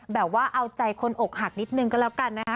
แบบว่าเอาใจคนอกหักนิดนึงก็แล้วกันนะคะ